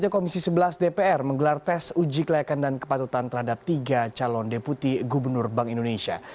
komisi sebelas dpr menggelar tes uji kelayakan dan kepatutan terhadap tiga calon deputi gubernur bank indonesia